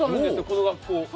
この学校。